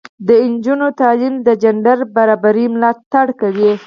د نجونو تعلیم د جنډر برابري ملاتړ کوي.